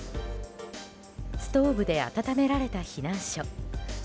ストーブで暖められた避難所。